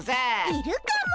いるかも？